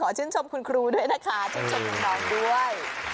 ขอชื่นชมคุณครูด้วยนะคะช่วยชมคุณพ่อด้วย